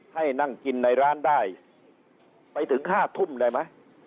ให้นั่งกินในร้านได้ไปถึง๕ทุ่มได้ไหม